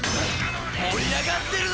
盛り上がってるな！